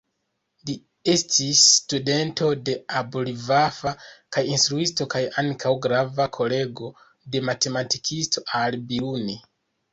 Li estis studento de Abu'l-Vafa kaj instruisto kaj ankaŭ grava kolego de matematikisto, Al-Biruni.